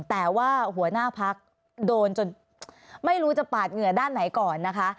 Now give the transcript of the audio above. แต่ว่าหัวหน้าพักโดนจนไม่รู้จะปาดเหงื่อด้านไหนก่อนนะคะ